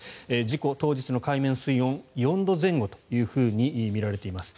事故当日の海面水温は４度前後とみられています。